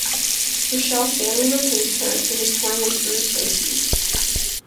Michelle Stanley replaced her, and is touring with Bruce Lacy.